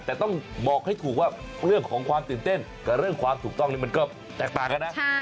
แต่ต้องบอกให้ถูกว่าเรื่องของความตื่นเต้นกับเรื่องความถูกต้องนี่มันก็แตกต่างกันนะ